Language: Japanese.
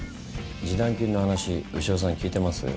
示談金の話牛尾さん聞いてます？